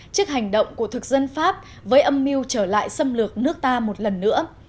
trước hành động của thực dân pháp với âm mưu trở lại xâm lược nước ta một lần nữa